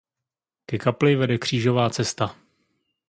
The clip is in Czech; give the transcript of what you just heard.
Ke kapli vedla Křížová cesta.